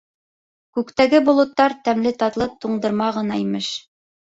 Күктәге болоттар тәмле-татлы туңдырма ғына, имеш.